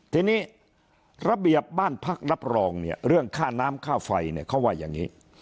ทีนี้ระเบียบบ้านพักรับรองเนี่ยเรื่องค่าน้ำค่าไฟเนี่ยเขาว่าอย่างนี้